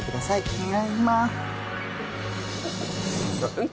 お願いします。